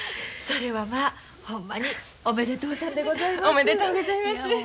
それはまあほんまにおめでとうさんでございます。